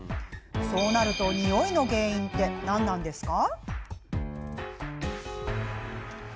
そうなると、においの原因は何なんですか？